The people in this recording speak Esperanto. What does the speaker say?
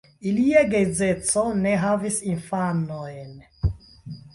Ilia geedzeco ne havis infanojn.